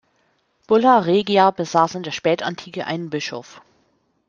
Bulla Regia besaß in der Spätantike einen Bischof.